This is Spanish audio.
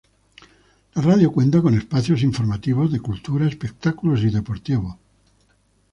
La radio cuenta con espacios informativos, de cultura, espectáculos y deportivos.